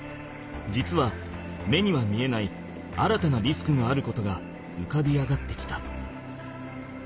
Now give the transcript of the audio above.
実は目には見えない新たなリスクがあることが浮かび上がってきた。